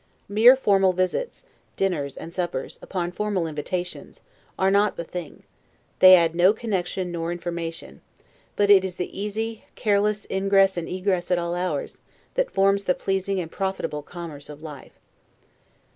Mere formal visits, dinners, and suppers, upon formal invitations, are not the thing; they add to no connection nor information; but it is the easy, careless ingress and egress at all hours, that forms the pleasing and profitable commerce of life.